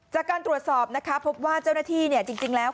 จากการตรวจสอบนะคะพบว่าเจ้าหน้าที่จริงแล้ว